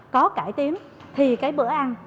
có cải tiến thì cái bữa ăn